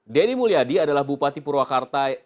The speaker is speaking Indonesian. denny mulyadi adalah bupati purwakarta